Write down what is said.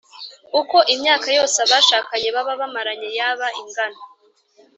uko imyaka yose abashakanye baba bamaranye yaba ingana